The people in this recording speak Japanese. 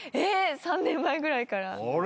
３年前ぐらいから。